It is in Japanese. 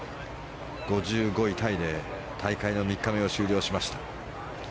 ５５位タイで大会の３日目を終了しました。